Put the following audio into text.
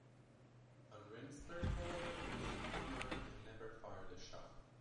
Van Rensburg however remained unarmed and never fired a shot.